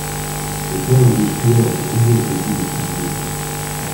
Des perles de sueur brillaient au bout de son nez.